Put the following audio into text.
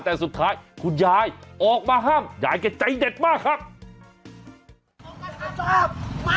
แต่สุดท้ายคุณยายออกมาห้ามยายแกใจเด็ดมากครับ